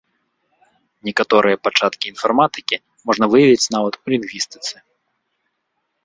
Некаторыя пачаткі інфарматыкі можна выявіць нават у лінгвістыцы.